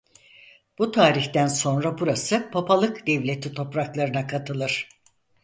Bu tarihten sonra burası Papalık Devleti topraklarına katılır.